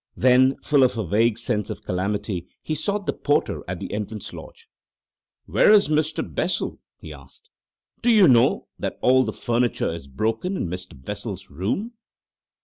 Then, full of a vague sense of calamity, he sought the porter at the entrance lodge. "Where is Mr. Bessel?" he asked. "Do you know that all the furniture is broken in Mr. Bessel's room?"